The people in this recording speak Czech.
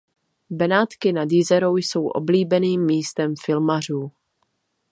Benátky nad Jizerou jsou oblíbeným místem filmařů.